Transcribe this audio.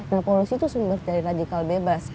nah polusi itu sumber dari radikal bebas